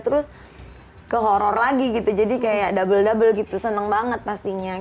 terus ke horror lagi gitu jadi kayak double double gitu seneng banget pastinya